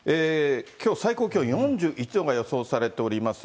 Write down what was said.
きょう、最高気温４１度が予想されております